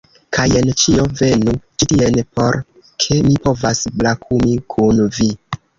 Kaj jen ĉio, venu ĉi tien, por ke mi povas brakumi kun vi